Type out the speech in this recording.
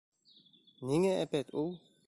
Ниңә әпәт ул?